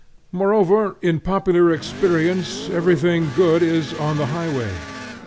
Moreover, in popular experience everything good is on the highway.